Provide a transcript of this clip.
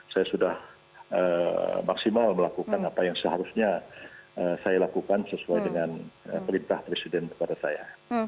saya sudah maksimal melakukan apa yang seharusnya saya lakukan sesuai dengan perintah presiden kepada saya